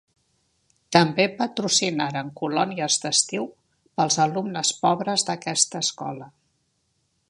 També patrocinaren colònies d'estiu pels alumnes pobres d'aquesta escola.